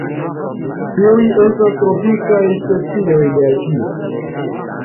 Tiuj estas tropikaj specioj de Azio.